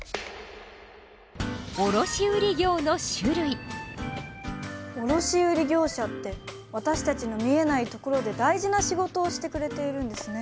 卸売業者って私たちの見えないところで大事な仕事をしてくれているんですね。